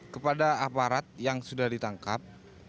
kepada aparat yang sudah ditangkap